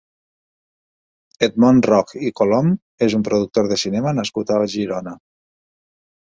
Edmon Roch i Colom és un productor de cinema nascut a Girona.